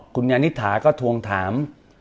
คุณยานิษฐาก็ทวงถาม